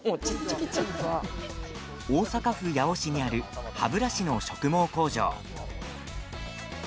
大阪府八尾市にある歯ブラシの植毛工場。